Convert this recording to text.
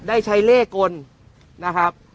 ได้ใช้เลขกลนะครับ